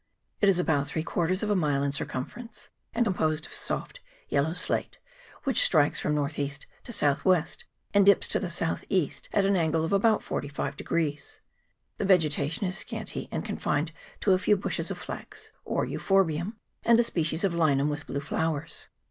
It is about three quarters of a mile in circumference, and composed of soft yellow slate, which strikes from north east to south west, and dips to the south east at an angle of about forty five degrees. The vegetation is scanty, and confined to a few bushes of flax, or Euphor bium, and a species of Linum with blue flowers.